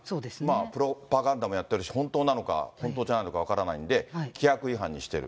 プロパガンダもやってるし、本当なのか、本当じゃないのか分からないので、規約違反にしている。